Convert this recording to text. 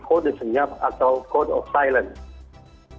kode senyap atau kode of silence